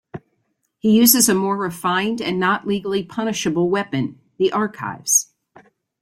He uses a more refined and not legally punishable weapon: the archives.